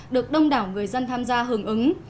được đông đảo người dân tham gia hưởng ứng